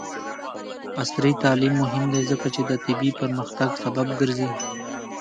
عصري تعلیم مهم دی ځکه چې د طبي پرمختګ سبب ګرځي.